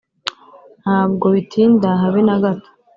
ntabwo bitinda habe nagato